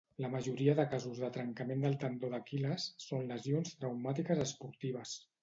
La majoria de casos de trencament del tendó d'Aquil·les són lesions traumàtiques esportives.